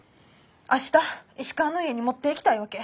明日石川の家に持っていきたいわけ。